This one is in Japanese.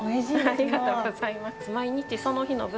ありがとうございます。